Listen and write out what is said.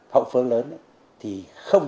hậu phương lớn thì không